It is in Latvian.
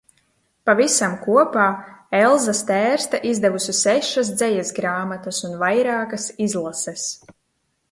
Pavisam kopā Elza Stērste izdevusi sešas dzejas grāmatas un vairākas izlases.